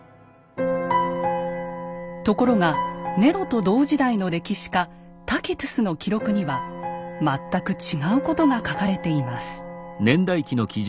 ところがネロと同時代の歴史家タキトゥスの記録には全く違うことが書かれています。